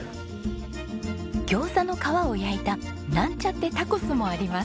餃子の皮を焼いたなんちゃってタコスもあります。